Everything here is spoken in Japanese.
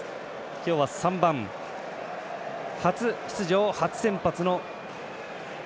今日は３番、初出場、初先発の。